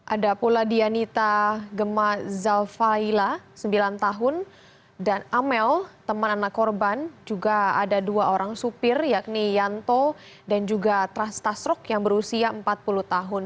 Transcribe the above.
ada pula dianita gemah zalfaila sembilan tahun dan amel teman anak korban juga ada dua orang supir yakni yanto dan juga trastastrok yang berusia empat puluh tahun